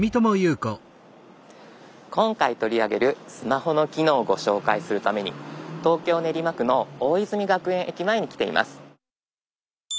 今回取り上げるスマホの機能をご紹介するために東京・練馬区の大泉学園駅前に来ています。